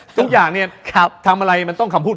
ทุกอย่างทำอะไรมาต้องคำพูด